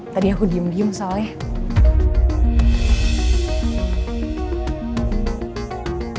tadi aku diem diem soalnya